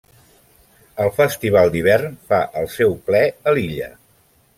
El festival d'hivern fa el seu ple a l'illa.